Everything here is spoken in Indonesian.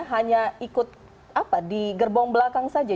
hanya ikut apa di gerbong belakang saja